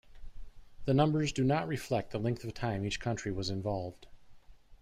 The numbers do not reflect the length of time each country was involved.